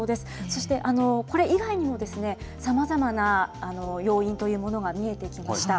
そして、これ以外にも、さまざまな要因というものが見えてきました。